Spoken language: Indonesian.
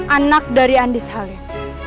anak dari andis halim